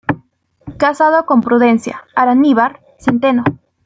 Casado con Prudencia Araníbar Zenteno.